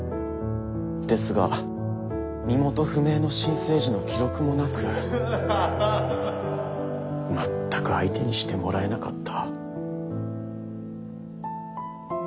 ですが身元不明の新生児の記録もなく全く相手にしてもらえなかった。